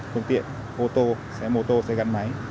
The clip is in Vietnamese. phương tiện ô tô xe mô tô xe gắn máy